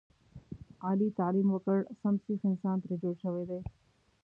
علي تعلیم وکړ سم سیخ انسان ترې جوړ شوی دی.